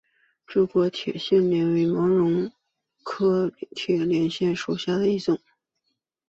柱果铁线莲为毛茛科铁线莲属下的一个种。